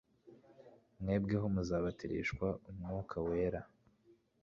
mwebweho muzabatirishwa umwuka wera